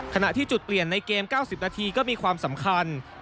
ขณะที่จุดเปลี่ยนในเกม๙๐นาทีก็มีความสำคัญ